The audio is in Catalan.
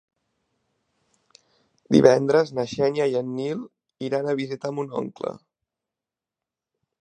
Divendres na Xènia i en Nil iran a visitar mon oncle.